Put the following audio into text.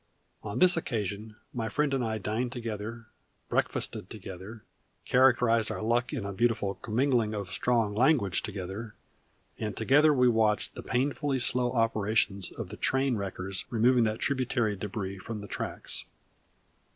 On this occasion my friend and I dined together, breakfasted together, characterized our luck in a beautiful commingling of strong language together, and together we watched the painfully slow operations of the train wreckers removing that tributary debris from the tracks.